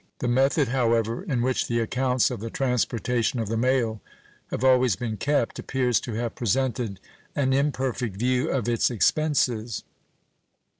The method, however, in which the accounts of the transportation of the mail have always been kept appears to have presented an imperfect view of its expenses.